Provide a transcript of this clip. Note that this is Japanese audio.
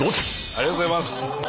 ありがとうございます。